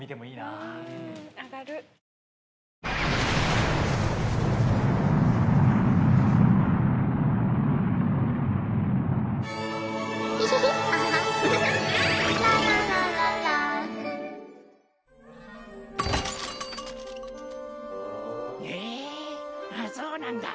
ああそうなんだ。